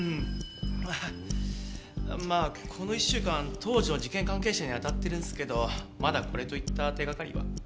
まあこの１週間当時の事件関係者にあたってるんですけどまだこれといった手がかりは。